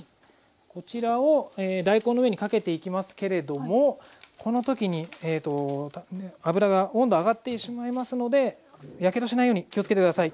こちらを大根の上にかけていきますけれどもこの時に油が温度上がってしまいますのでやけどしないように気を付けて下さい。